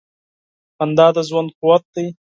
• خندا د ژوند قوت دی.